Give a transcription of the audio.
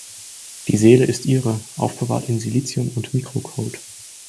Die Seele ist ihre, aufbewahrt in Silizium und Mikrocode.